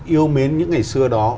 yêu mến những ngày xưa đó